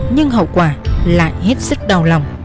nhưng hậu quả lại hết sức đau lòng